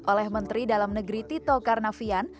oleh menteri dalam negeri tito karnavian